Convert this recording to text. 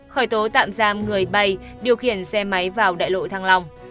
khởi tố tạm giam người bay điều khiển xe máy vào đại lộ thăng long